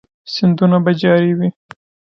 سیندونه به جاری وي؟